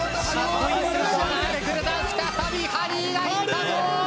再びハリーが行った！